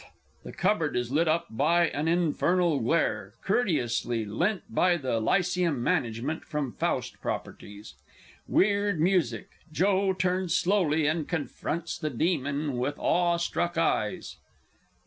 [_The cupboard is lit up by an infernal glare (courteously lent by the Lyceum Management from "Faust" properties); weird music_; JOE turns slowly and confronts the Demon _with awestruck eyes.